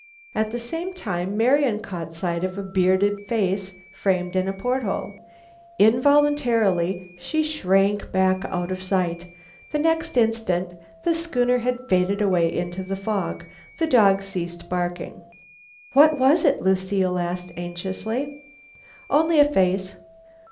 At the same time, Marian caught sight of a bearded face framed in a porthole. Involuntarily she shrank back out of sight. The next instant the schooner had faded away into the fog. The dog ceased barking. "What was it?" asked Lucile anxiously. "Only a face."